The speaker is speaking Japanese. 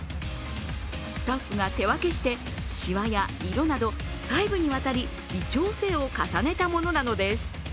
スタッフが手分けしてしわや色など細部にわたり微調整を重ねたものなのです。